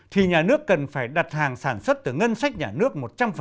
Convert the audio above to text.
thì nhà nước cần phải đặt hàng sản xuất từ ngân sách nhà nước một trăm linh